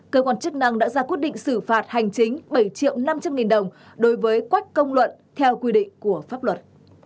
cơ quan chức năng đã ra quyết định xử phạt hành chính bảy triệu năm trăm linh nghìn đồng đối với quách công luận theo quy định của pháp luật